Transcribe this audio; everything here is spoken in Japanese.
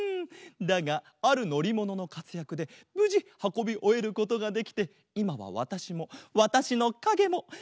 だがあるのりもののかつやくでぶじはこびおえることができていまはわたしもわたしのかげもげんきだボン！